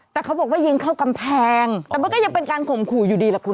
แต่เขาบอกว่ายิงเข้ากำแพงแต่มันก็ยังเป็นการข่มขู่อยู่ดีล่ะคุณ